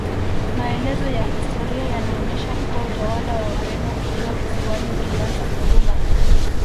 Maelezo ya historia yanaonyesha kuwa utawala wa Wareno Kilwa kisiwani ulianza kuyumba